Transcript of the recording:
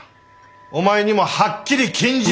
お前にもはっきり禁じた！